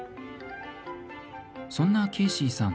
そんなケーシーさん